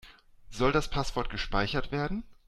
Soll das Passwort gespeichert werden?